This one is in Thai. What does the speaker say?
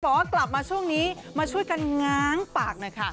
บอกว่ากลับมาช่วงนี้มาช่วยกันง้างปากหน่อยค่ะ